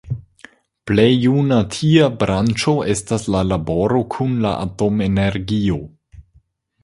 Plej juna tia branĉo estas la laboro kun la atom-energio.